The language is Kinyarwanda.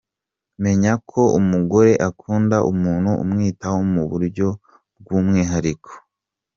Menya ko umugore akunda umuntu umwitaho mu uburyo bw´umwihariko.